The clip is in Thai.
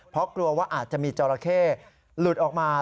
เพราะกลัวว่าอาจจะมีจราเข้หลุดออกมา